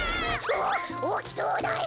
おおきそうだよ。